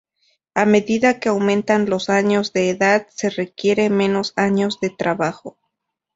A medida que aumentan los años de edad se requieren menos años de trabajo.